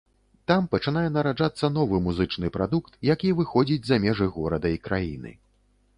Там пачынае нараджацца новы музычны прадукт, які выходзіць за межы горада і краіны.